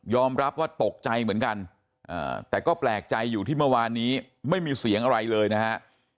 รับว่าตกใจเหมือนกันแต่ก็แปลกใจอยู่ที่เมื่อวานนี้ไม่มีเสียงอะไรเลยนะฮะ